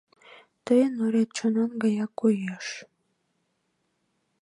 Тыйын урет чонан гаяк коеш.